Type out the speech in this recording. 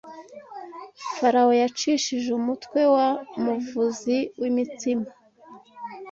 Farawo yacishije umutwe wa muvuzi w’imitsima